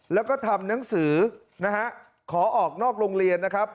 แล้วก็ทำหนังสือนะฮะขอออกนอกโรงเรียนนะครับ